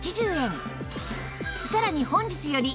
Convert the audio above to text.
さらに本日より